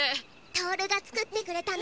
トオルがつくってくれたの。